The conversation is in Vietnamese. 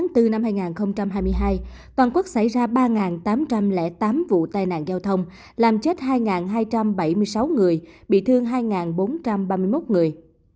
tháng bốn năm hai nghìn hai mươi hai toàn quốc xảy ra ba tám trăm linh tám vụ tai nạn giao thông làm chết hai hai trăm bảy mươi sáu người bị thương hai bốn trăm ba mươi một người